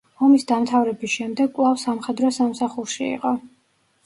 ომის დამთავრების შემდეგ კვლავ სამხედრო სამსახურში იყო.